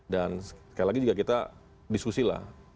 dan sekali lagi juga kita diskusilah